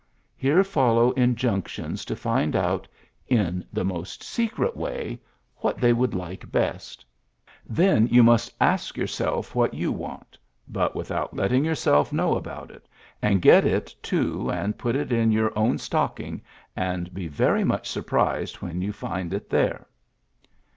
Here fol low injunctions to find out ^4n the most secret way '' what they would like best. ^^Then you must ask yourself what you want, but without letting yourself know about it, and get it, too, and put it in your own stocking, and be very much surprised when you find it there."